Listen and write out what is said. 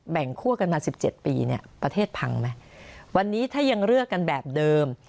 คั่วกันมาสิบเจ็ดปีเนี่ยประเทศพังไหมวันนี้ถ้ายังเลือกกันแบบเดิม